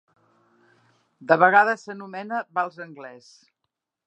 De vegades s'anomena "vals anglès".